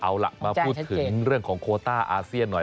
เอาล่ะมาพูดถึงเรื่องของโคต้าอาเซียนหน่อย